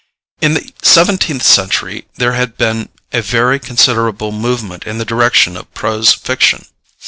In the seventeenth century there had been a very considerable movement in the direction of prose fiction.